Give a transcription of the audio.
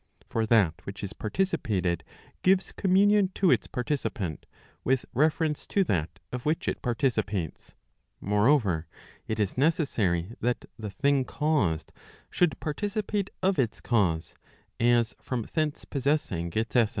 For that which is participated, gives communion to its participant, with reference to that of which it participates. Moreover, it is necessary that the thing caused should participate of its cause, as from thence possessing its essence.